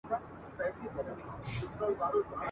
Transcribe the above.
شاه غازي امان الله خان يو ستر شخصيت وو.